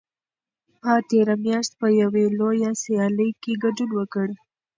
ما تېره میاشت په یوې لویه سیالۍ کې ګډون وکړ.